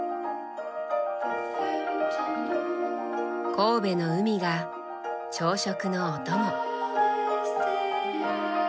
神戸の海が朝食のおとも。